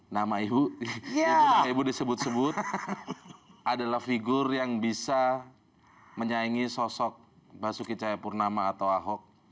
nama ibu ibu disebut sebut adalah figur yang bisa menyaingi sosok basuki cahayapurnama atau ahok